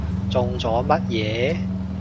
中咗乜嘢？